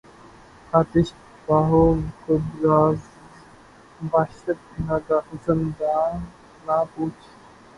آتشیں پا ہوں گداز وحشت زنداں نہ پوچھ